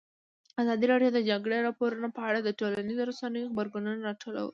ازادي راډیو د د جګړې راپورونه په اړه د ټولنیزو رسنیو غبرګونونه راټول کړي.